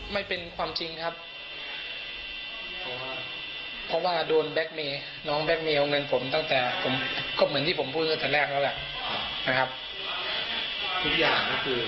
ไม่เป็นความจริงครับเพราะว่าโดนแบ็คเมย์น้องแบ็คเมย์โครงเรียนผมตั้งแต่ก็เหมือนที่ผมพูดตั้งแต่แรกแล้วแหละนะครับ